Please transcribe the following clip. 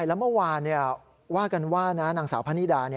แล้วเมื่อวานว่ากันว่านางสาวพะนิดา